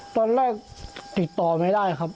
ตอนแรกติดต่อไม่ได้ครับ